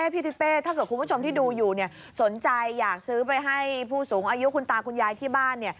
พี่ทิเป้ถ้าเกิดคุณผู้ชมที่ดูอยู่สนใจอยากซื้อไปให้ผู้สูงอายุคุณตาคุณยายที่บ้าน